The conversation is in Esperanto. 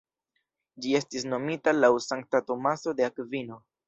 Ĝi estis nomita laŭ sankta Tomaso de Akvino.